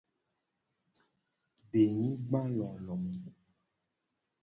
Denyigbalolo.